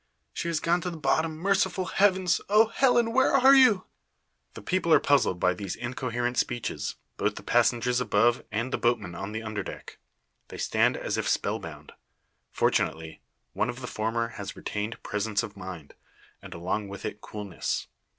She has gone to the bottom. Merciful heavens! O Helen! where are you?" The people are puzzled by these incoherent speeches both the passengers above, and the boatmen on the under deck. They stand as if spell bound. Fortunately, one of the former has retained presence of mind, and along with it coolness.